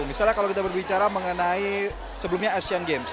misalnya kalau kita berbicara mengenai sebelumnya asean games